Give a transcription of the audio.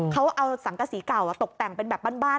เขาเอาสังกษีเก่าตกแต่งเป็นแบบบ้าน